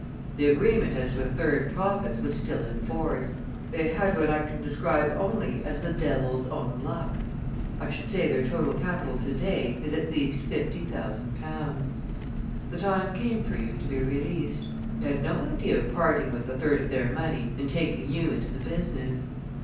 The agreement as to a third profits was still in force. They had what I can describe only as the devil's own luck. I should say their total capital to day is at least fifty thousand pounds. "The time came for you to be released. They had no idea of parting with a third of their money and taking you into the business.